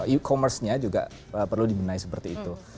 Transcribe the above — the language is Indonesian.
e commerce nya juga perlu dibenahi seperti itu